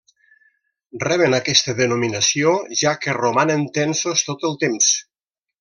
Reben aquesta denominació, ja que romanen tensos tot el temps.